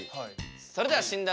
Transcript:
それでは診断